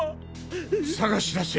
捜し出せ。